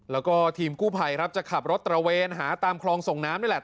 แล้วก็ทีมกู้ภัยครับจะขับรถตระเวนหาตามคลองส่งน้ำนี่แหละ